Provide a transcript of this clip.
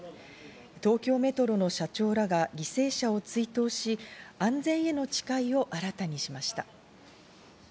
東京メトロの社長らが犠牲者を追悼し、安全への誓いを新たにしました。